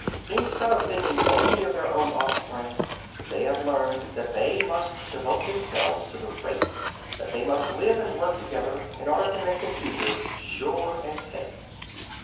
Instead of thinking only of their own offspring, they have learned that they must devote themselves to the race, that they must live and work together in order to make the future sure and safe.